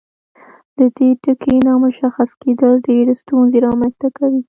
د دې ټکي نامشخص کیدل ډیرې ستونزې رامنځته کوي.